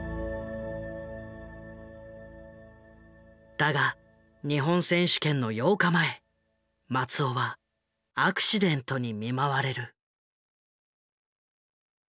だが日本選手権の８日前松尾はアクシデントに見舞われる。